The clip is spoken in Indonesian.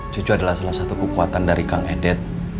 cucu adalah salah satu kekuatan dari kang edet